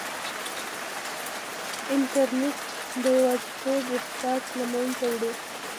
انټرنیټ د یوازیتوب احساس له منځه وړي.